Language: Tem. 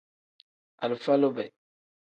Alifa lube.